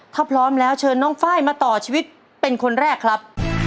ถ้าพร้อมแล้วเชิญน้องไฟล์มาต่อชีวิตเป็นคนแรกครับ